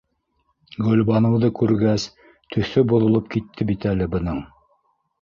Гөлбаныуҙы күргәс, төҫө боҙолоп китте бит әле бының.